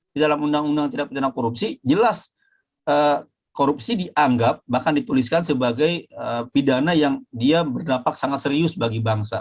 di dalam undang undang tidak pidana korupsi jelas korupsi dianggap bahkan dituliskan sebagai pidana yang dia bernafak sangat serius bagi bangsa